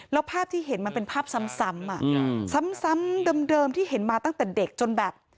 แล้วภาพที่เห็นมันเป็นภาพซ้ำเดิมที่เห็นมาตั้งแต่เด็กจนแบบ